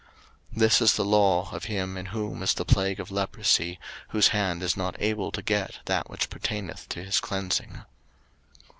03:014:032 This is the law of him in whom is the plague of leprosy, whose hand is not able to get that which pertaineth to his cleansing.